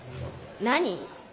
何？